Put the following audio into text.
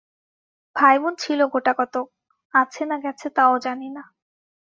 ভাইবোন ছিল গোটাকতক, আছে না গেছে তাও জানি না।